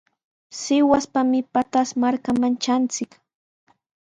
Sihuaspami Pataz markaman tranchik.